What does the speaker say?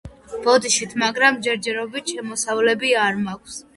ბოდიშით მაგრამ ჯერჯერობით შემოსავლები არ მაქვს